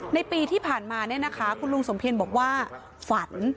ในปีที่ผ่านมาเนี่ยนะคะคุณลุงสมเพียรบอกว่าฝัน